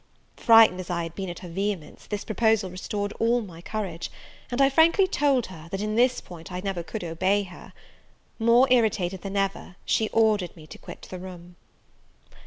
Frightened as I had been at her vehemence, this proposal restored all my courage; and I frankly told her, that in this point I never could obey her. More irritated than ever, she ordered me to quit the room.